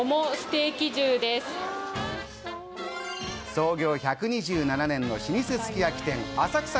創業１２７年の老舗すき焼き店、浅草